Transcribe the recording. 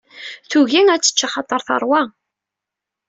Tugi ad tečč axaṭer terwa.